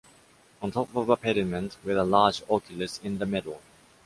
On top of a pediment with a large oculus in the middle.